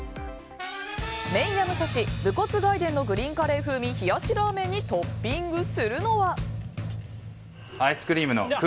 麺屋武蔵武骨外伝のグリーンカレー風味冷やしラーメンにトッピングするのは。